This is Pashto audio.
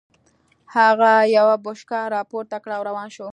هغه يوه بوشکه را پورته کړه او روان شو.